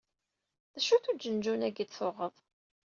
D acu-t uǧenǧun-agi i d-tuɣed?